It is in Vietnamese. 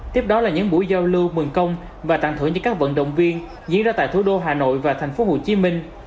tiếp đó là những buổi giao lưu mường công và tặng thưởng cho các vận động viên diễn ra tại thủ đô hà nội và thành phố hồ chí minh